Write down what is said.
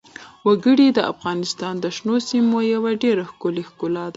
وګړي د افغانستان د شنو سیمو یوه ډېره ښکلې ښکلا ده.